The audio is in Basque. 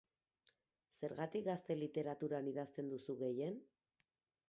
Zergatik gazte literaturan idazten duzu gehien?